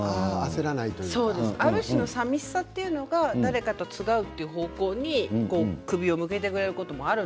ある種のさみしさというのが誰かとつがうという方向に首を向けてくれることがある